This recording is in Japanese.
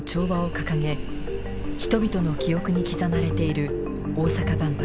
掲げ人々の記憶に刻まれている大阪万博。